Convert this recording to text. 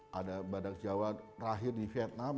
pada tahun dua ribu sebelas badak jawa terakhir mati di vietnam